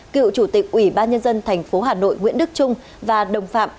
cựu chủ tịch ủy ban nhân dân tp hà nội nguyễn đức trung và đồng phạm